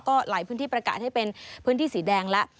ก็หลายพื้นที่ประกาศให้เป็นพื้นที่สีแดงแล้ว